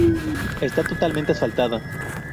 Está totalmente asfaltada.